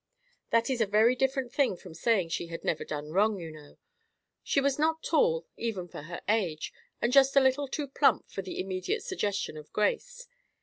That is a very different thing from saying she had never done wrong, you know. She was not tall, even for her age, and just a little too plump for the immediate suggestion of grace.